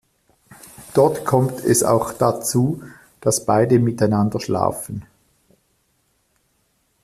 Dort kommt es auch dazu, dass beide miteinander schlafen.